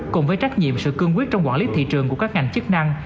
cùng với trách nhiệm sự cương quyết trong quản lý thị trường của các ngành chức năng